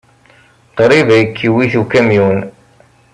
Qrib ay k-iwit ukamyun.